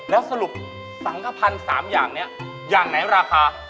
แล้วสรุปสังขพันธ์๓อย่างนี้อย่างไหนราคา